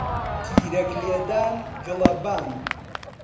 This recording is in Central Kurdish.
تیرەک لێدان، گڵەبان